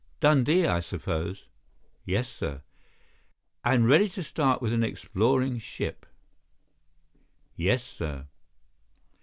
"Dundee, I suppose?" "Yes, sir." "And ready to start with an exploring ship?" "Yes, sir."